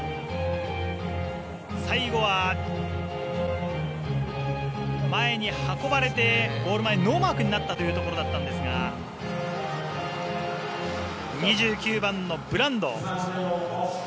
最後は、前に運ばれてゴール前ノーマークになったところだったんですが２９番のブランド。